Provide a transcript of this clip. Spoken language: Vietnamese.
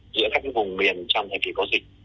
giữa các vùng biển trong thời kỳ có dịch